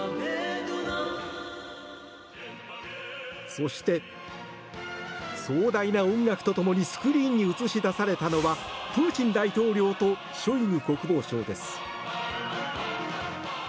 そして、壮大な音楽とともにスクリーンに映し出されたのはプーチン大統領とショイグ国防相です。